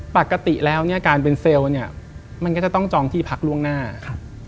ปกติแล้วเนี่ยการเป็นเซลล์เนี่ยมันก็จะต้องจองที่พักล่วงหน้าครับ